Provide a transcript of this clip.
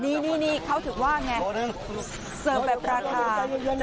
นี่เขาถือว่าไง